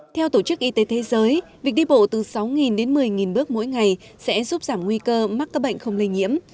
theo tổ chức y tế thế giới việc đi bộ từ sáu đến một mươi bước mỗi ngày sẽ giúp giảm nguy cơ mắc các bệnh không lây nhiễm